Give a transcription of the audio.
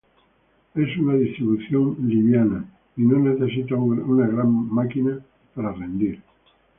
Es una distribución liviana, y no necesita una gran máquina para rendir.